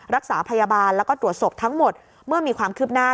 รักษาพยาบาลแล้วก็ตรวจศพทั้งหมดเมื่อมีความคืบหน้า